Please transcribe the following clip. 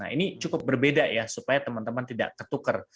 ini cukup berbeda ya supaya teman teman tidak ketukar